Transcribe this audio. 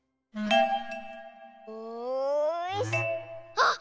あっ！